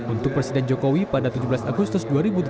untuk presiden jokowi pada tujuh belas agustus dua ribu tujuh belas